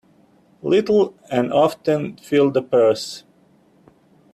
Little and often fill the purse.